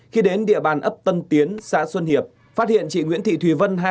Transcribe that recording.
khi đến địa bàn ấp tân tiến xã xuân hiệp phát hiện chị nguyễn thị thùy vân